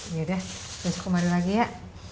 yaudah besok kemarin lagi ya